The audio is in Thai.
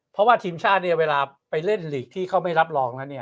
เพราะไว้ทิมฌาเนียเวลาไปเล่นนี่ที่เค้าไม่รับรองนะเนี่ย